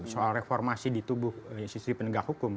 soal reformasi di tubuh institusi penegak hukum